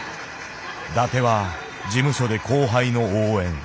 伊達は事務所で後輩の応援。